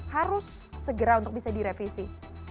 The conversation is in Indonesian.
harus segera untuk bisa direvisi